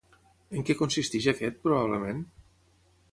En què consisteix aquest, probablement?